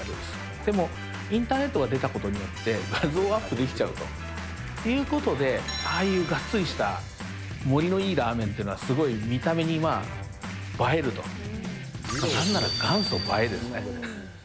でもインターネットが出たことによって、画像がアップできちゃうということで、ああいうがっつりした、盛りのいいラーメンというのは、すごい見た目に、まあ映えると、なんなら元祖映えですね。